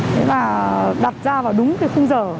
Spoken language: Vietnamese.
để đặt ra vào đúng khung rở